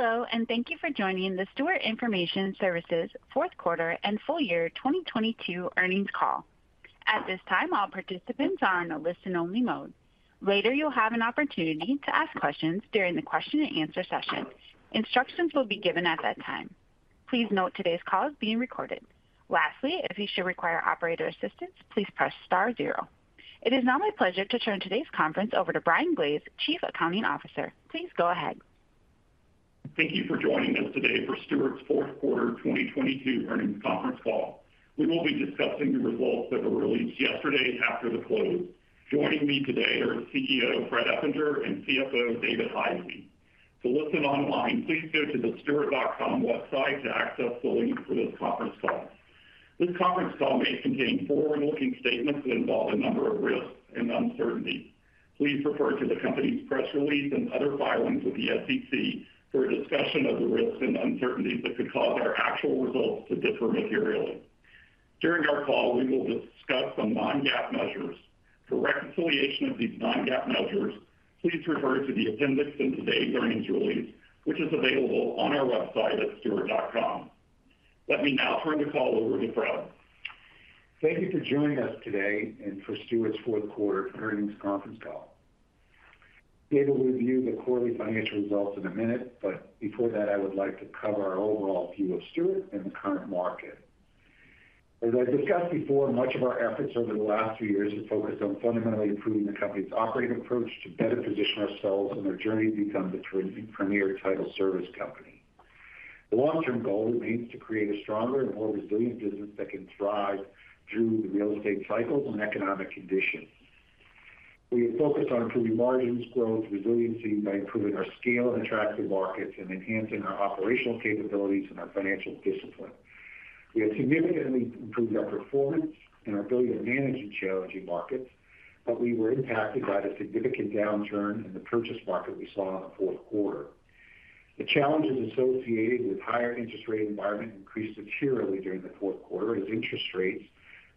Hello, and thank you for joining the Stewart Information Services fourth quarter and full-year 2022 earnings call. At this time, all participants are in a listen only mode. Later, you'll have an opportunity to ask questions during the question and answer session. Instructions will be given at that time. Please note today's call is being recorded. Lastly, if you should require operator assistance, please press star zero. It is now my pleasure to turn today's conference over to Brian Glaze, Chief Accounting Officer. Please go ahead. Thank you for joining us today for Stewart's fourth quarter 2022 earnings conference call. We will be discussing the results that were released yesterday after the close. Joining me today are CEO, Fred Eppinger, and CFO, David Hisey. To listen online, please go to the stewart.com website to access the link for this conference call. This conference call may contain forward-looking statements that involve a number of risks and uncertainties. Please refer to the company's press release and other filings with the SEC for a discussion of the risks and uncertainties that could cause our actual results to differ materially. During our call, we will discuss some non-GAAP measures. For reconciliation of these non-GAAP measures, please refer to the appendix in today's earnings release, which is available on our website at stewart.com. Let me now turn the call over to Fred. Thank you for joining us today and for Stewart's fourth quarter earnings conference call. David will review the quarterly financial results in a minute, but before that, I would like to cover our overall view of Stewart and the current market. As I discussed before, much of our efforts over the last few years have focused on fundamentally improving the company's operating approach to better position ourselves in our journey to become the pre-premier title service company. The long-term goal remains to create a stronger and more resilient business that can thrive through the real estate cycles and economic conditions. We have focused on improving margins, growth, resiliency by improving our scale in attractive markets and enhancing our operational capabilities and our financial discipline. We have significantly improved our performance and our ability to manage in challenging markets, but we were impacted by the significant downturn in the purchase market we saw in the fourth quarter. The challenges associated with higher interest rate environment increased materially during the fourth quarter as interest rates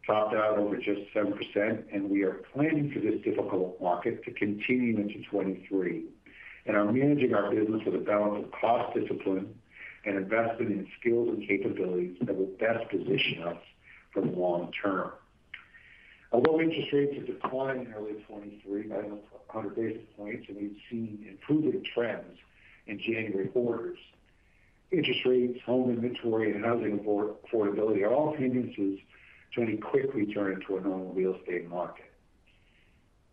topped out over just 7%, and we are planning for this difficult market to continue into 2023, and are managing our business with a balance of cost discipline and investment in skills and capabilities that will best position us for the long term. Although interest rates have declined in early 2023 by 100 basis points, and we've seen improving trends in January orders, interest rates, home inventory, and housing affordability are all hindrances to any quick return to a normal real estate market.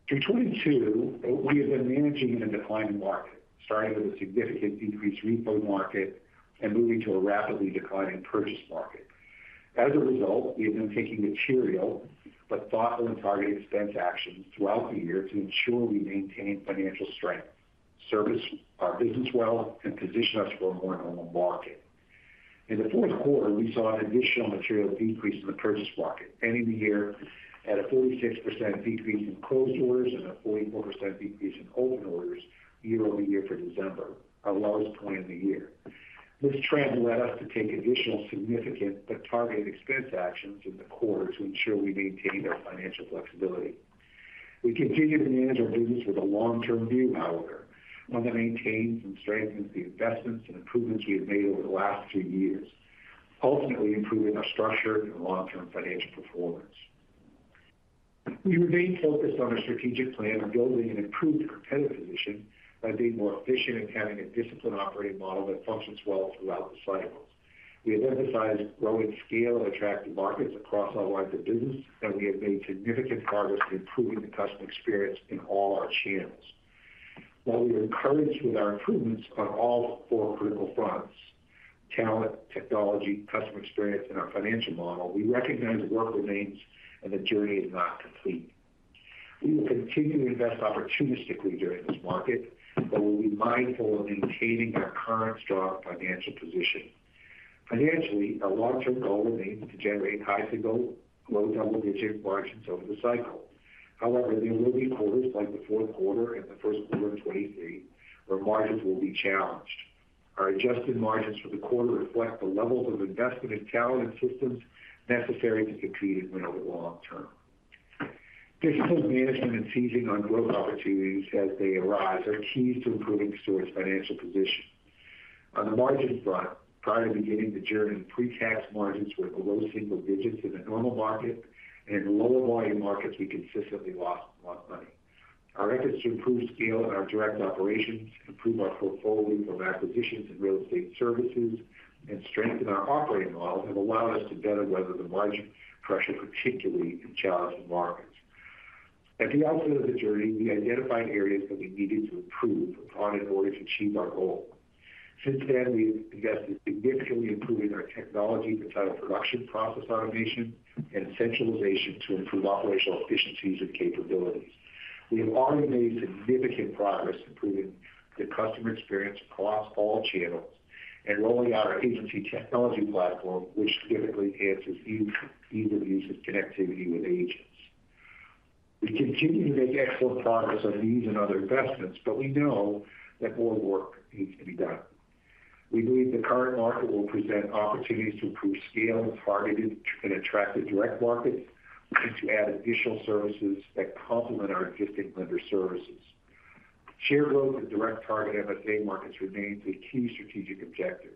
Through 2022, we have been managing in a declining market, starting with a significant decreased refi market and moving to a rapidly declining purchase market. As a result, we have been taking material but thoughtful and targeted expense actions throughout the year to ensure we maintain financial strength, service our business well, and position us for a more normal market. In the fourth quarter, we saw an additional material decrease in the purchase market, ending the year at a 46% decrease in closed orders and a 44% decrease in open orders year-over-year for December, our lowest point of the year. This trend led us to take additional significant but targeted expense actions in the quarter to ensure we maintained our financial flexibility. We continue to manage our business with a long-term view, however, one that maintains and strengthens the investments and improvements we have made over the last two years, ultimately improving our structure and long-term financial performance. We remain focused on our strategic plan of building an improved competitive position by being more efficient and having a disciplined operating model that functions well throughout the cycles. We have emphasized growing scale in attractive markets across all lines of business, and we have made significant progress in improving the customer experience in all our channels. While we are encouraged with our improvements on all four critical fronts: talent, technology, customer experience, and our financial model, we recognize work remains and the journey is not complete. We will continue to invest opportunistically during this market, but we'll be mindful of maintaining our current strong financial position. Financially, our long-term goal remains to generate high single low double-digit margins over the cycle. However, there will be quarters like the fourth quarter and the first quarter of 2023 where margins will be challenged. Our adjusted margins for the quarter reflect the levels of investment in talent and systems necessary to compete and win over the long term. Disciplined management and seizing on growth opportunities as they arise are keys to improving Stewart's financial position. On the margins front, prior to beginning the journey, pre-tax margins were below single digits in a normal market, and in lower volume markets, we consistently lost a lot of money. Our efforts to improve scale in our direct operations, improve our portfolio of acquisitions in real estate services, and strengthen our operating model have allowed us to better weather the margin pressure, particularly in challenging markets. At the outset of the journey, we identified areas that we needed to improve upon in order to achieve our goal. Since then, we've invested significantly in improving our technology for title production, process automation, and centralization to improve operational efficiencies and capabilities. We have already made significant progress improving the customer experience across all channels and rolling out our agency technology platform, which significantly enhances ease of use and connectivity with agents. We continue to make excellent progress on these and other investments. We know that more work needs to be done. We believe the current market will present opportunities to improve scale in targeted and attractive direct markets and to add additional services that complement our existing lender services. Share growth in direct target MSA markets remains a key strategic objective.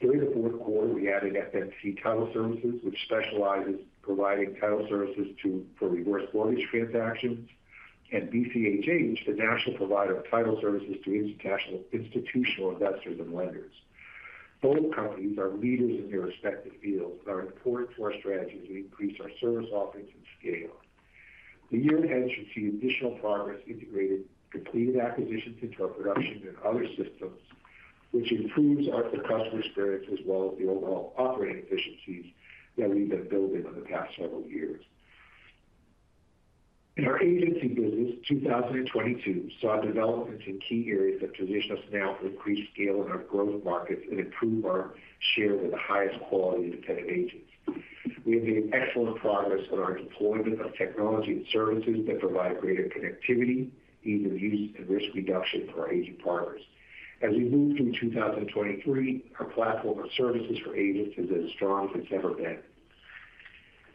During the fourth quarter, we added FMC Title Services, which specializes providing title services for reverse mortgage transactions, and BCHH, the national provider of title services to international institutional investors and lenders. Both companies are leaders in their respective fields and are important to our strategy as we increase our service offerings and scale. The year ahead should see additional progress integrating completed acquisitions into our production and other systems, which improves our customer experience as well as the overall operating efficiencies that we've been building for the past several years. In our agency business, 2022 saw developments in key areas that position us now to increase scale in our growth markets and improve our share with the highest quality independent agents. We have made excellent progress on our deployment of technology and services that provide greater connectivity, ease of use, and risk reduction for our agent partners. As we move through 2023, our platform of services for agents is as strong as it's ever been.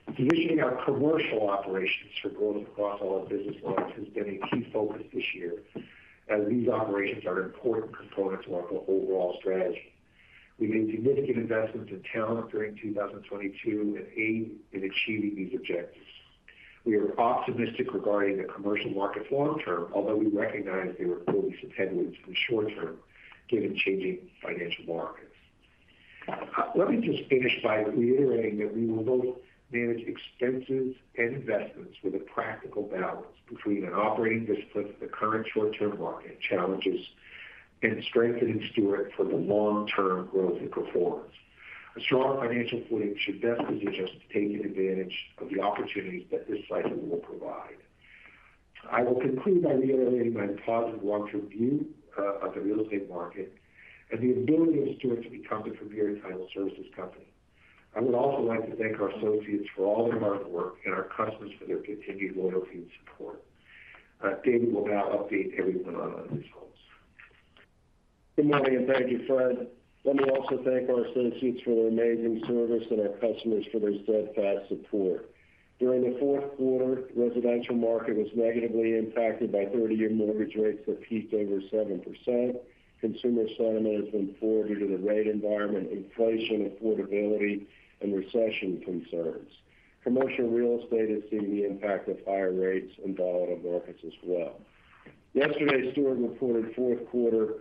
Positioning our commercial operations for growth across all our business lines has been a key focus this year, as these operations are important components of our overall strategy. We made significant investments in talent during 2022 that aid in achieving these objectives. We are optimistic regarding the commercial market long term, although we recognize there are headwinds in the short term given changing financial markets. Let me just finish by reiterating that we will both manage expenses and investments with a practical balance between an operating discipline for the current short-term market challenges and strengthening Stewart for the long-term growth and performance. A strong financial footing should best position us to taking advantage of the opportunities that this cycle will provide. I will conclude by reiterating my positive long-term view on the real estate market and the ability of Stewart to become the premier title services company. I would also like to thank our associates for all their hard work and our customers for their continued loyalty and support. David will now update everyone on our results. Good morning, and thank you, Fred. Let me also thank our associates for their amazing service and our customers for their steadfast support. During the fourth quarter, residential market was negatively impacted by 30 year mortgage rates that peaked over 7%. Consumer sentiment has been poor due to the rate environment, inflation, affordability, and recession concerns. Commercial real estate has seen the impact of higher rates and volatile markets as well. Yesterday, Stewart reported fourth quarter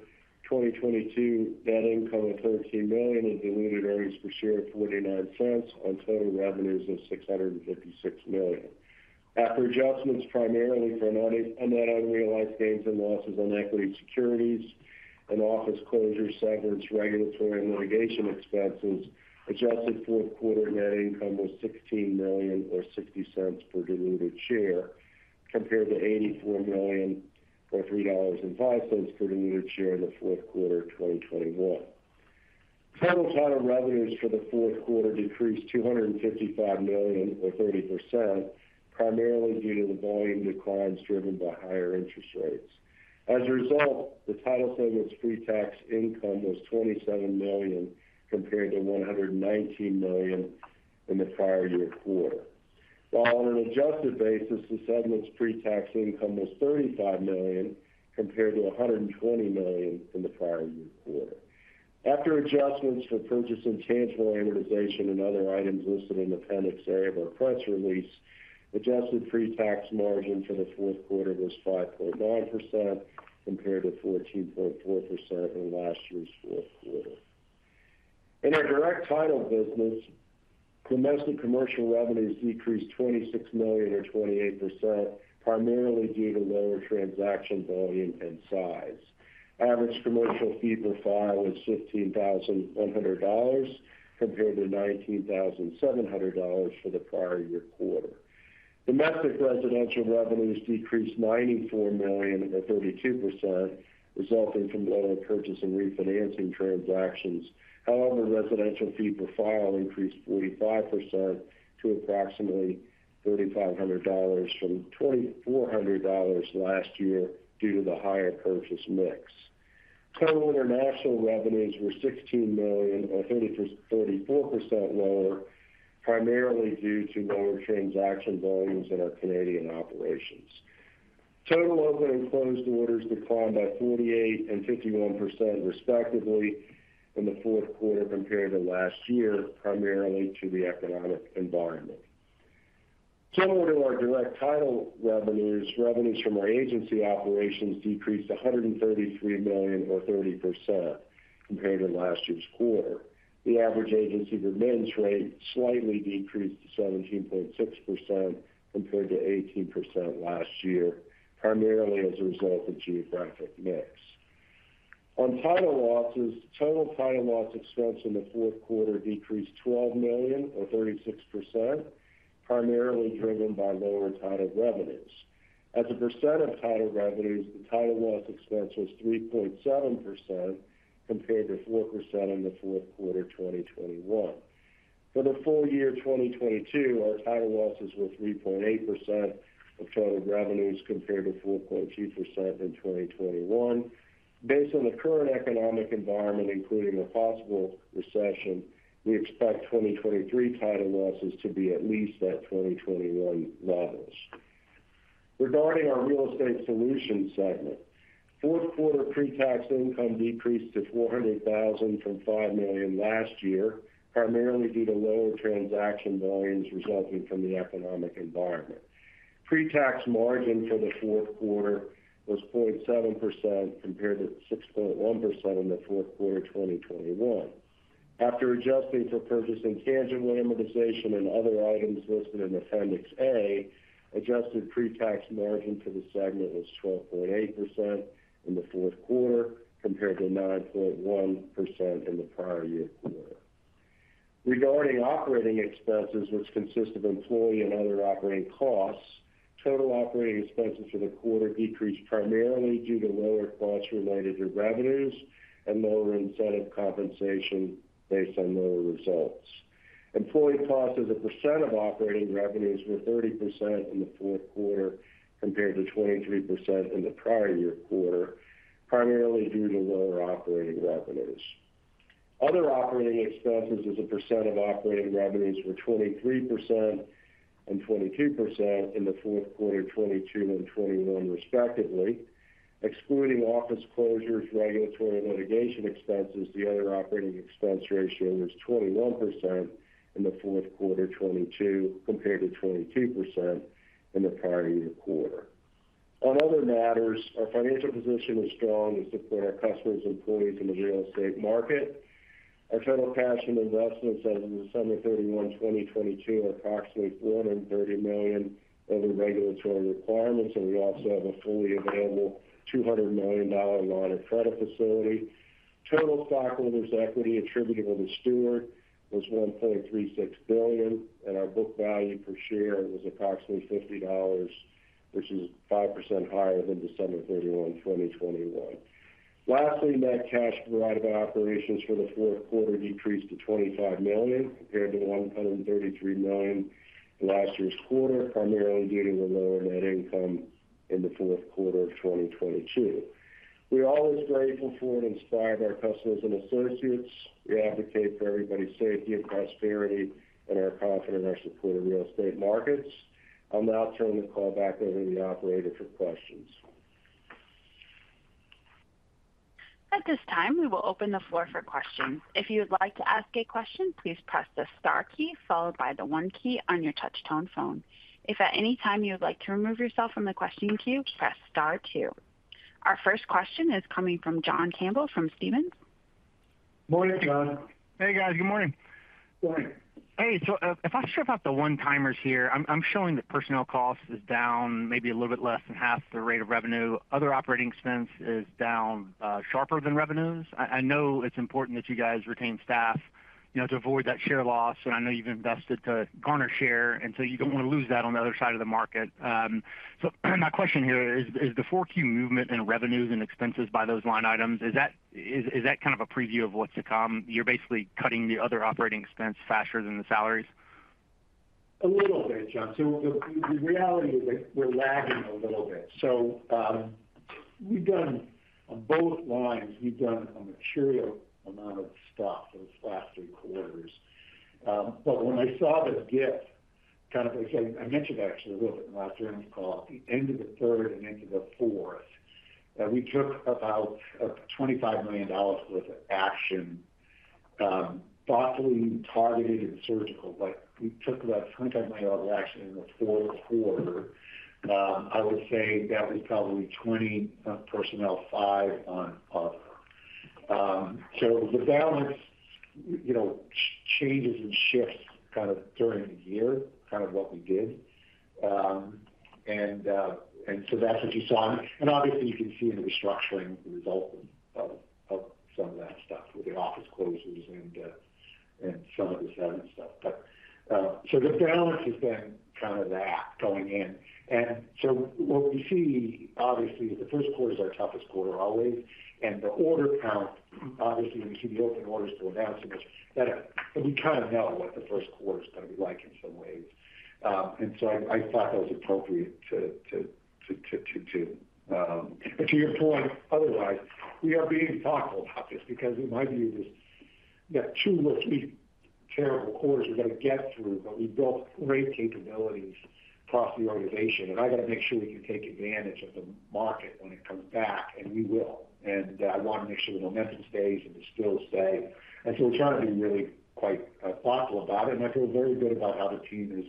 2022 net income of $13 million and diluted earnings per share of $0.49 on total revenues of $656 million. After adjustments primarily for unmet unrealized gains and losses on equity securities and office closures, severance, regulatory, and litigation expenses, adjusted fourth quarter net income was $16 million or $0.60 per diluted share, compared to $84 million or $3.05 per diluted share in the fourth quarter of 2021. Total title revenues for the fourth quarter decreased $255 million or 30%, primarily due to the volume declines driven by higher interest rates. As a result, the title segment's pre-tax income was $27 million compared to $119 million in the prior year quarter. While on an adjusted basis, the segment's pre-tax income was $35 million compared to $120 million in the prior year quarter. After adjustments for purchase and tangible amortization and other items listed in Appendix A of our press release, adjusted pre-tax margin for the fourth quarter was 5.9% compared to 14.4% in last year's fourth quarter. In our direct title business, domestic commercial revenues decreased $26 million or 28%, primarily due to lower transaction volume and size. Average commercial fee per file was $15,100 compared to $19,700 for the prior year quarter. Domestic residential revenues decreased $94 million or 32%, resulting from lower purchase and refinancing transactions. residential fee per file increased 45% to approximately $3,500 from $2,400 last year due to the higher purchase mix. Total international revenues were $16 million or 44% lower, primarily due to lower transaction volumes in our Canadian operations. Total open and closed orders declined by 48% and 51%, respectively, in the fourth quarter compared to last year, primarily to the economic environment. Similar to our direct title revenues from our agency operations decreased $133 million or 30% compared to last year's quarter. The average agency remittance rate slightly decreased to 17.6% compared to 18% last year, primarily as a result of geographic mix. On title losses, total title loss expense in the fourth quarter decreased $12 million or 36%, primarily driven by lower title revenues. As a percent of title revenues, the title loss expense was 3.7% compared to 4% in the fourth quarter 2021. For the full-year 2022, our title losses were 3.8% of total revenues compared to 4.2% in 2021. Based on the current economic environment, including a possible recession, we expect 2023 title losses to be at least at 2021 levels. Regarding our Real Estate Solutions segment, fourth quarter pre-tax income decreased to $400,000 from $5 million last year, primarily due to lower transaction volumes resulting from the economic environment. Pre-tax margin for the fourth quarter was 0.7% compared to 6.1% in the fourth quarter of 2021. After adjusting for purchased intangible amortization and other items listed in Appendix A, adjusted pre-tax margin for the segment was 12.8% in the fourth quarter compared to 9.1% in the prior year quarter. Regarding operating expenses, which consist of employee and other operating costs, total operating expenses for the quarter decreased primarily due to lower costs related to revenues and lower incentive compensation based on lower results. Employee costs as a percent of operating revenues were 30% in the fourth quarter compared to 23% in the prior year quarter, primarily due to lower operating revenues. Other operating expenses as a percent of operating revenues were 23% and 22% in the fourth quarter of 2022 and 2021 respectively. Excluding office closures, regulatory litigation expenses, the other operating expense ratio was 21% in the fourth quarter 2022 compared to 22% in the prior year quarter. On other matters, our financial position is strong to support our customers, employees in the real estate market. Our total cash and investments as of December 31st, 2022 are approximately $430 million over regulatory requirements. We also have a fully available $200 million line of credit facility. Total stockholders' equity attributable to Stewart was $1.36 billion. Our book value per share was approximately $50, which is 5% higher than December 31, 2021. Lastly, net cash provided by operations for the fourth quarter decreased to $25 million compared to $133 million in last year's quarter, primarily due to the lower net income in the fourth quarter of 2022. We are always grateful for and inspired by our customers and associates. We advocate for everybody's safety and prosperity and are confident in our support of real estate markets. I'll now turn the call back over to the operator for questions. At this time, we will open the floor for questions. If you would like to ask a question, please press the star key followed by the one key on your touch-tone phone. If at any time you would like to remove yourself from the question queue, press star two. Our first question is coming from John Campbell from Stephens. Morning, John. Hey, guys. Good morning. Morning. Hey. If I strip out the one-timers here, I'm showing that personnel costs is down maybe a little bit less than half the rate of revenue. Other operating expense is down sharper than revenues. I know it's important that you guys retain staff, you know, to avoid that share loss. I know you've invested to garner share, you don't want to lose that on the other side of the market. My question here is the four Q movement in revenues and expenses by those line items, is that kind of a preview of what's to come? You're basically cutting the other operating expense faster than the salaries? A little bit, John. The reality is that we're lagging a little bit. We've done a material amount of stuff in the last three quarters. When I saw this dip, kind of like I mentioned actually a little bit in last earnings call at the end of the third and into the fourth, that we took about $25 million worth of action, thoughtfully, targeted and surgical. Like, we took about $25 million action in the fourth quarter. I would say that was probably 20 of personnel, five on other. The balance, you know, changes and shifts kind of during the year, kind of what we did. That's what you saw. Obviously you can see in the restructuring the result of some of that stuff with the office closes and some of this other stuff. The balance has been kind of that going in. What we see, obviously, the first quarter is our toughest quarter always, and the order count, obviously, when you see the open orders go down so much that we kind of know what the first quarter is going to be like in some ways. I thought that was appropriate to. To your point, otherwise, we are being thoughtful about this because in my view, there's, you know, two or three terrible quarters we've got to get through. We built great capabilities across the organization, and I got to make sure we can take advantage of the market when it comes back, and we will. I want to make sure the momentum stays and the skills stay. We're trying to be really quite thoughtful about it, and I feel very good about how the team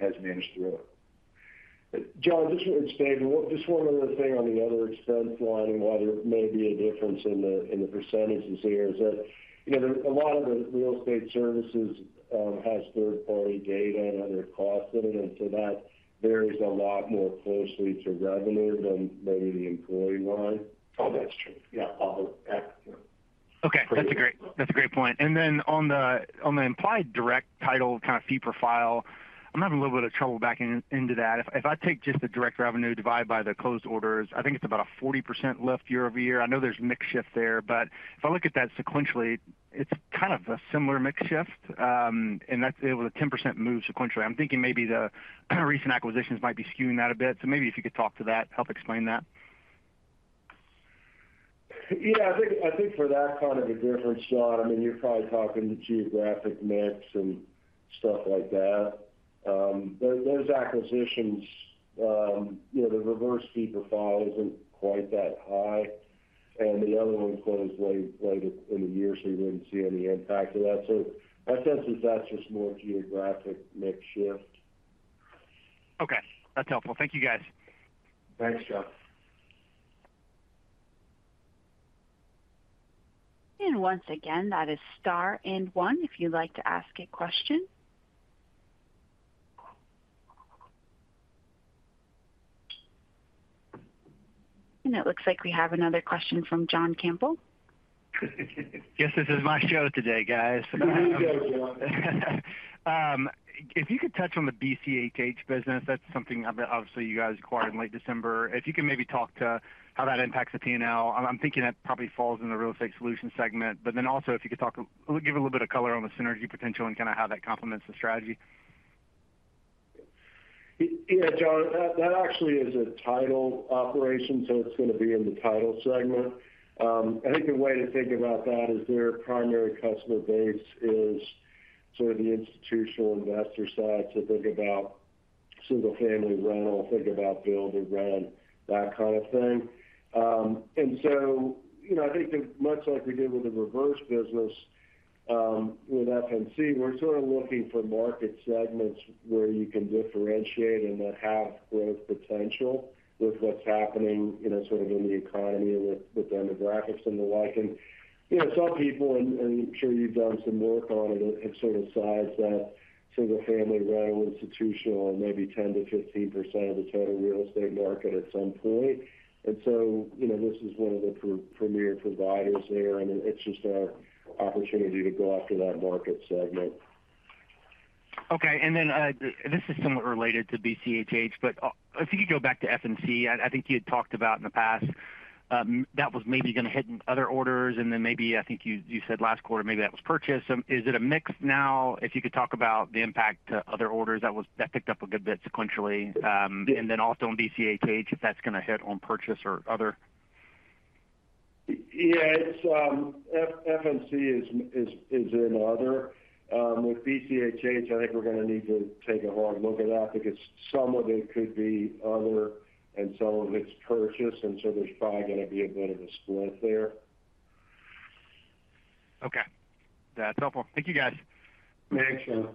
has managed through it. John, just to expand, one other thing on the other expense line and why there may be a difference in the percentages here is that, you know, a lot of the real estate services has third-party data and other costs in it. That varies a lot more closely to revenue than maybe the employee line. Oh, that's true. Yeah. Other. Yeah.. Okay, that's a great point. On the, on the implied direct title kind of fee per file, I'm having a little bit of trouble backing into that. If I take just the direct revenue divide by the closed orders, I think it's about a 40% lift year-over-year. I know there's mix shift there, but if I look at that sequentially, it's kind of a similar mix shift, and that's it with a 10% move sequentially. I'm thinking maybe the recent acquisitions might be skewing that a bit. Maybe if you could talk to that, help explain that. Yeah. I think for that kind of a difference, John, I mean, you're probably talking the geographic mix and stuff like that. Those acquisitions, you know, the reverse fee per file isn't quite that high, and the other one closed way later in the year, so you wouldn't see any impact of that. My sense is that's just more geographic mix shift. Okay. That's helpful. Thank you, guys. Thanks, John. Once again, that is star and one if you'd like to ask a question. It looks like we have another question from John Campbell. Guess this is my show today, guys. There you go, John. If you could touch on the BCH business, that's something obviously you guys acquired in late December. If you can maybe talk to how that impacts the P&L. I'm thinking that probably falls in the Real Estate Solutions segment. Also, if you could give a little bit of color on the synergy potential and kinda how that complements the strategy. Yeah, John. That actually is a title operation, so it's gonna be in the title segment. I think the way to think about that is their primary customer base is sort of the institutional investor side to think about single-family rental, think about build and rent, that kind of thing. You know, I think much like we did with the reverse business with FNC, we're sort of looking for market segments where you can differentiate and that have growth potential with what's happening, you know, sort of in the economy with demographics and the like. You know, some people, and I'm sure you've done some work on it, have sort of sized that single-family rental institutional maybe 10%-15% of the total real estate market at some point. you know, this is one of the pre-premier providers there, and it's just our opportunity to go after that market segment. Okay. This is somewhat related to BCHH, but, if you could go back to FNC. I think you had talked about in the past, that was maybe gonna hit other orders, and then maybe I think you said last quarter maybe that was purchased. Is it a mix now? If you could talk about the impact to other orders that picked up a good bit sequentially. Also on BCHH, if that's gonna hit on purchase or other. Yeah. It's, FNC is in other. With BCHH, I think we're gonna need to take a hard look at that because some of it could be other and some of it's purchase, there's probably gonna be a bit of a split there. Okay. That's helpful. Thank you, guys. Thanks, John.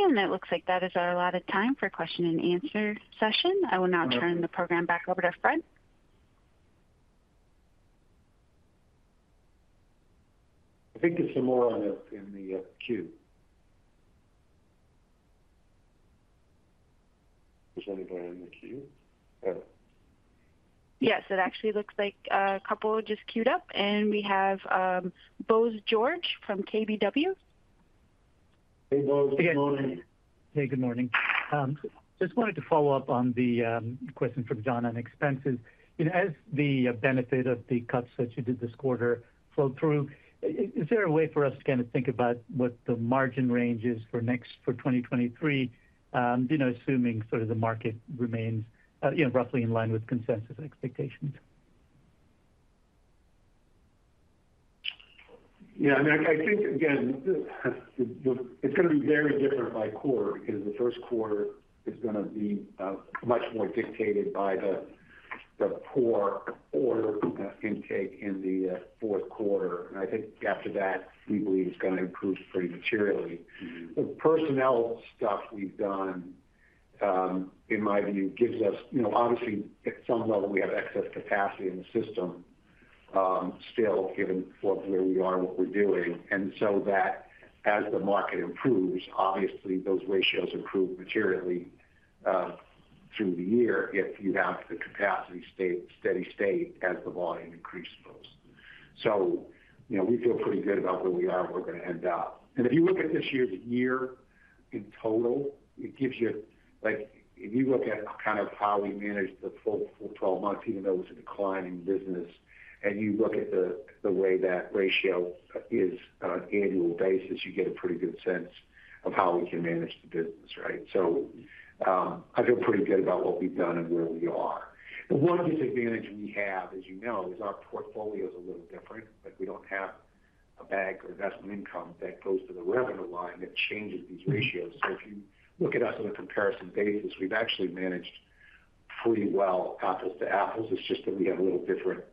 It looks like that is our allotted time for question and answer session. I will now turn the program back over to Fred. I think there's some more on the, in the, queue. Is anybody on the queue? Yes. It actually looks like a couple just queued up, and we have, Bose George from KBW. Hey, Bose. Good morning. Hey, good morning. Just wanted to follow up on the question from John on expenses. You know, as the benefit of the cuts that you did this quarter flow through, is there a way for us to kinda think about what the margin range is for 2023, you know, assuming sort of the market remains, roughly in line with consensus expectations? Yeah. I mean, I think again, the it's gonna be very different by quarter because the first quarter is gonna be much more dictated by the poor order intake in the fourth quarter. I think after that, we believe it's gonna improve pretty materially. Mm-hmm. The personnel stuff we've done, in my view, gives us, you know, obviously, at some level, we have excess capacity in the system, still given for where we are and what we're doing. That as the market improves, obviously those ratios improve materially through the year if you have the capacity state, steady state as the volume increases. You know, we feel pretty good about where we are and where we're gonna end up. If you look at this year's year in total, it gives you. Like, if you look at kind of how we managed the full 12 months, even though it was a declining business, and you look at the way that ratio is on an annual basis, you get a pretty good sense of how we can manage the business, right? I feel pretty good about what we've done and where we are. One disadvantage we have, as you know, is our portfolio is a little different. Like, we don't have a bank or investment income that goes to the revenue line that changes these ratios. If you look at us on a comparison basis, we've actually managed pretty well apples to apples. It's just that we have a little different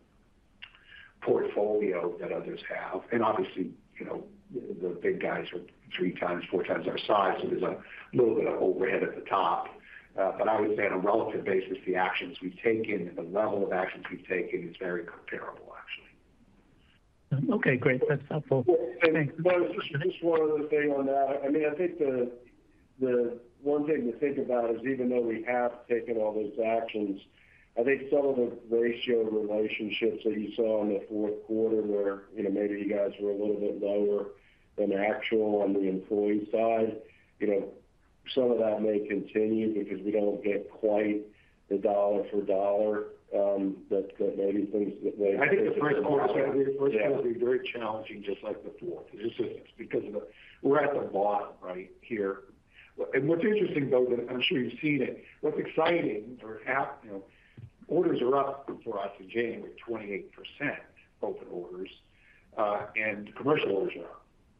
portfolio than others have. Obviously, you know, the big guys are three times, four times our size, so there's a little bit of overhead at the top. But I would say on a relative basis, the actions we've taken and the level of actions we've taken is very comparable. Okay, great. That's helpful. Thanks. Well, just one other thing on that. I mean, I think the one thing to think about is even though we have taken all those actions, I think some of the ratio relationships that you saw in the fourth quarter where, you know, maybe you guys were a little bit lower than actual on the employee side, you know, some of that may continue because we don't get quite the dollar for dollar. I think the first quarter will be very challenging, just like the fourth is. We're at the bottom right here. What's interesting, though, that I'm sure you've seen it, what's exciting, you know, orders are up for us in January, 28% open orders. Commercial orders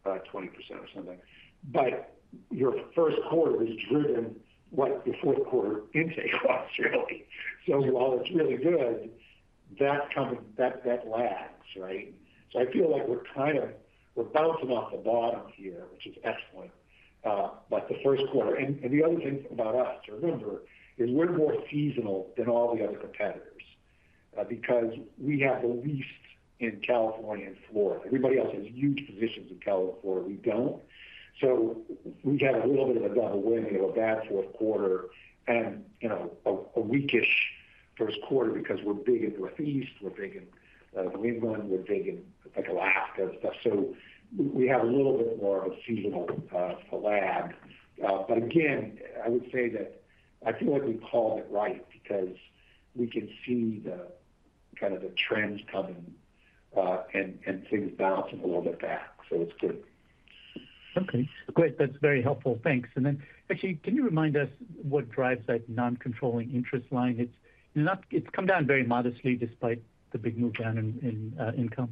are up 20% or something. Your first quarter is driven what the fourth quarter intake was really. While it's really good, that lags, right? I feel like we're bouncing off the bottom here, which is excellent. The first quarter, the other thing about us to remember is we're more seasonal than all the other competitors because we have the least in California and Florida. Everybody else has huge positions in California. We don't. We got a little bit of a double whammy of a bad fourth quarter and, you know, a weak-ish first quarter because we're big in Northeast, we're big in New England, we're big in, like, Alaska and stuff. We have a little bit more of a seasonal lag. Again, I would say that I feel like we called it right because we can see the kind of the trends coming, and things bouncing a little bit back. It's good. Okay, great. That's very helpful. Thanks. Then actually, can you remind us what drives that non-controlling interest line? It's come down very modestly despite the big move down in income.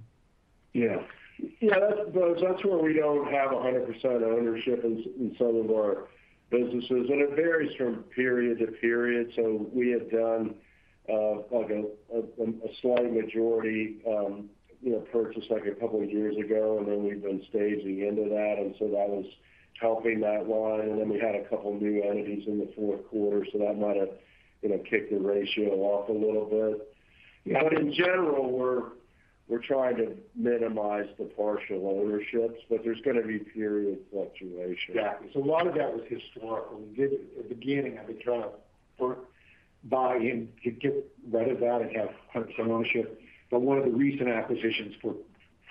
Yeah. Yeah, that's where we don't have 100% ownership in some of our businesses, and it varies from period to period. We had done like a slight majority, you know, purchase like a couple of years ago, and then we've been staging into that. That was helping that line. We had a couple new entities in the fourth quarter, that might have, you know, kicked the ratio off a little bit. Yeah. in general, we're trying to minimize the partial ownerships, but there's gonna be period fluctuation. Yeah. A lot of that was historical. In the beginning, I've been trying for buy in to get rid of that and have 100% ownership. One of the recent acquisitions for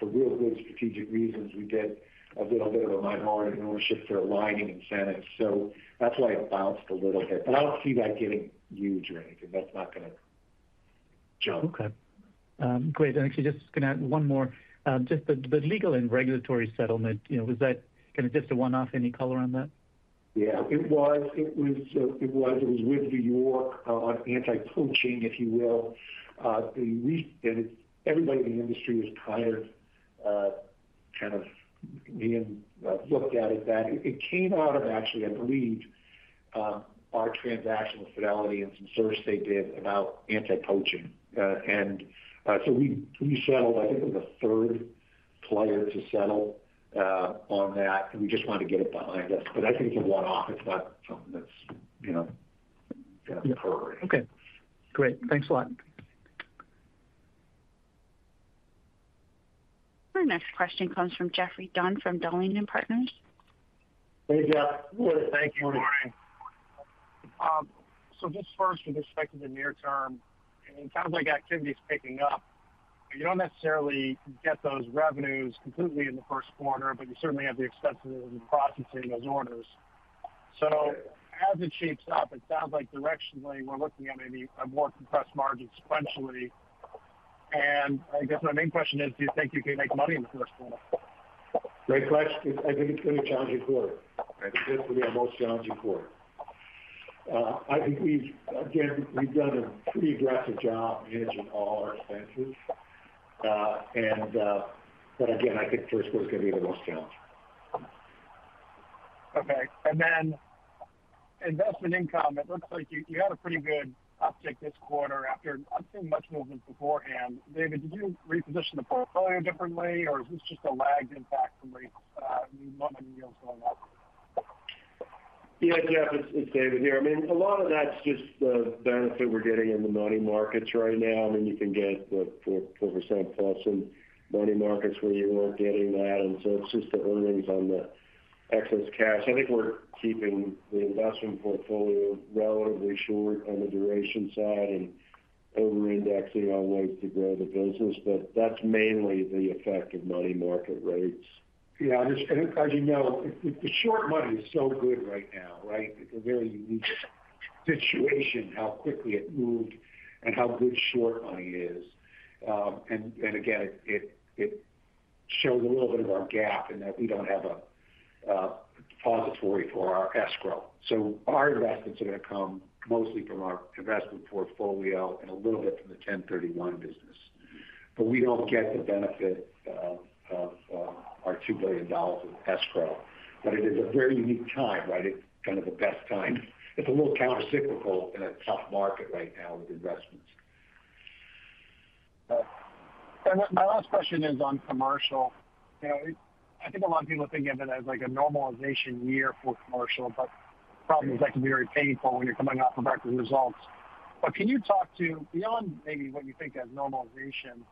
real good strategic reasons, we did a little bit of a minority ownership to align incentives. That's why it bounced a little bit. I don't see that getting huge or anything. That's not gonna jump. Okay, great. Actually just gonna add one more. Just the legal and regulatory settlement, you know, was that kind of just a one-off? Any color on that? Yeah. It was. It was with New York on anti-poaching, if you will. Everybody in the industry was tired, kind of being looked at it that. It came out of actually, I believe, our transaction with Fidelity and some service they did about anti-poaching. We settled. I think it was the third player to settle on that, and we just wanted to get it behind us. I think it's a one-off. It's not something that's, you know, gonna occur. Okay, great. Thanks a lot. Our next question comes from Geoffrey Dunn from Dowling & Partners. Hey, Geoffrey. Good. Thank you. Morning. Just first with respect to the near term, it sounds like activity is picking up. You don't necessarily get those revenues completely in the first quarter, but you certainly have the expenses in processing those orders. As it shapes up, it sounds like directionally we're looking at maybe a more compressed margin sequentially. I guess my main question is, do you think you can make money in the first quarter? Great question. I think it's gonna be a challenging quarter. I think this will be our most challenging quarter. Again, we've done a pretty aggressive job managing all our expenses. Again, I think first quarter is gonna be the most challenging. Okay. Investment income, it looks like you had a pretty good uptick this quarter after not seeing much movement beforehand. David, did you reposition the portfolio differently, or is this just a lagged impact from rates, money yields going up? Yeah, Jeff, it's David here. I mean, a lot of that's just the benefit we're getting in the money markets right now. I mean, you can get 4% plus in money markets where you weren't getting that. It's just the earnings on the excess cash. I think we're keeping the investment portfolio relatively short on the duration side and over-indexing on ways to grow the business. That's mainly the effect of money market rates. Yeah. As you know, the short money is so good right now, right? It's a very unique situation, how quickly it moved and how good short money is. And again, it shows a little bit of our gap in that we don't have a depository for our escrow. Our investments are gonna come mostly from our investment portfolio and a little bit from the 1031 business. We don't get the benefit of our $2 billion of escrow. It is a very unique time, right? It's kind of the best time. It's a little countercyclical in a tough market right now with investments. My, my last question is on commercial? You know, I think a lot of people are thinking of it as like a normalization year for commercial, but the problem is that can be very painful when you're coming off of record results. Can you talk to beyond maybe what you think as normalization,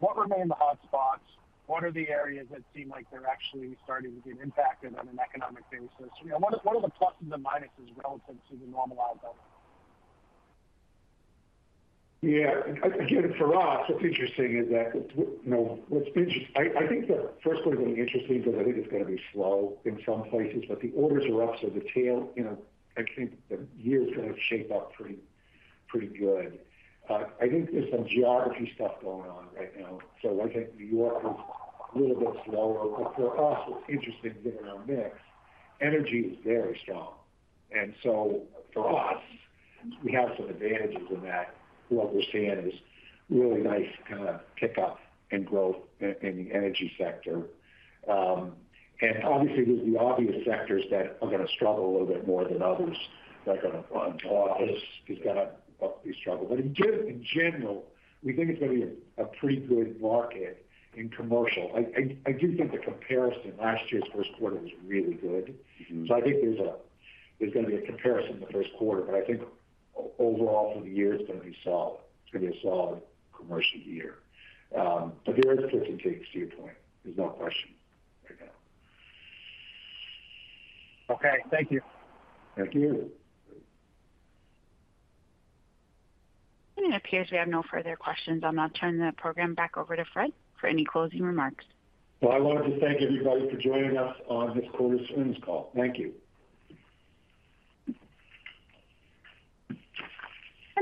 what remain the hotspots? What are the areas that seem like they're actually starting to get impacted on an economic basis? You know, what are, what are the pluses and minuses relative to the normalized level? Yeah. Again, for us, what's interesting is that, you know, I think the first quarter is gonna be interesting because I think it's gonna be slow in some places, but the orders are up, so the tail, you know. I think the year is gonna shape up pretty good. I think there's some geography stuff going on right now. I think New York is a little bit slower. For us, what's interesting given our mix, energy is very strong. For us, we have some advantages in that what we're seeing is really nice kinda pickup and growth in the energy sector. Obviously, there's the obvious sectors that are gonna struggle a little bit more than others, like on office is gonna obviously struggle. In general, we think it's gonna be a pretty good market in commercial. I do think the comparison, last year's first quarter was really good. Mm-hmm. I think there's gonna be a comparison in the first quarter, but I think overall for the year, it's gonna be solid. It's gonna be a solid commercial year. But there is a twist and case to your point. There's no question right now. Okay. Thank you. Thank you. It appears we have no further questions. I'll now turn the program back over to Fred for any closing remarks. Well, I wanted to thank everybody for joining us on this quarter's earnings call. Thank you.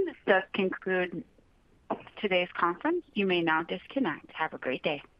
This does conclude today's conference. You may now disconnect. Have a great day.